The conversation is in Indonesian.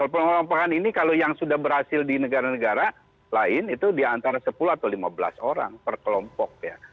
pengelompokan ini kalau yang sudah berhasil di negara negara lain itu di antara sepuluh atau lima belas orang per kelompok ya